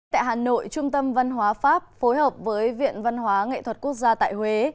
tại hà nội trung tâm văn hóa pháp phối hợp với viện văn hóa nghệ thuật quốc gia tại huế